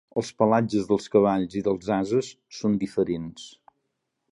Els pelatges dels cavalls i dels ases són diferents.